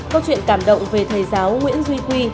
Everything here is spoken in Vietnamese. câu chuyện cảm động về thầy giáo nguyễn duy quy